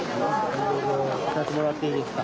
２つもらっていいですか？